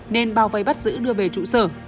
nên bao vây bắt giữ đưa về trụ sở